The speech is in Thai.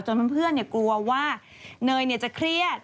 เพื่อนกลัวว่าเนยจะเครียด